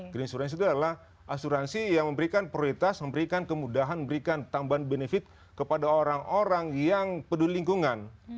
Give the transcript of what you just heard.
greensurance itu adalah asuransi yang memberikan prioritas memberikan kemudahan memberikan tambahan benefit kepada orang orang yang peduli lingkungan